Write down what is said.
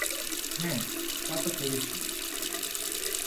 হ্যাঁ, তা তো করিসই।